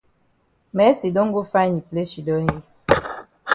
Mercy don go find yi place shidon yi.